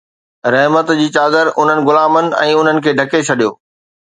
رحمت جي چادر انهن غلامن ۽ انهن کي ڍڪي ڇڏيو